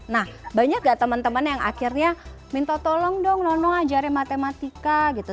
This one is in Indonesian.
nah banyak gak teman teman yang akhirnya minta tolong dong nono ngajarin matematika gitu